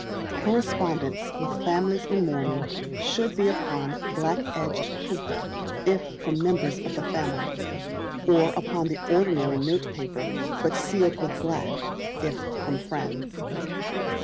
Correspondence with families in mourning should be upon black edged paper, if from members of the family; or upon the ordinary notepaper, but sealed with black, if from friends.